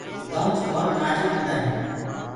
گنوُچ ڀوت نآجُڪ هوندآ هينٚ۔